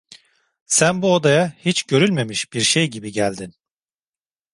Sen bu odaya hiç görülmemiş bir şey gibi geldin…